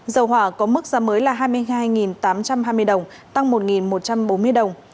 dầu hỏa có mức giá mới là hai mươi hai tám trăm hai mươi đồng tăng một một trăm bốn mươi đồng